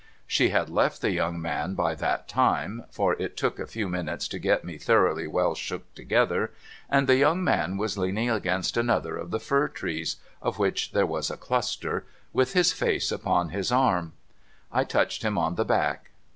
She had left the young man by that time (for it took a few minutes to get me thoroughly well shook together), and the young man was leaning against another of the fir trees, — of which there was a cluster, — with his face upon his arm. I touched him on the back.